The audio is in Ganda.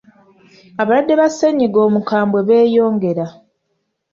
Abalwadde ba ssennyiga omukambwe beeyongera.